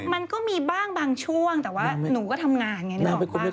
มันก็มีบ้างบางช่วงแต่ว่าหนูก็ทำงานอย่างนี้หรือเปล่า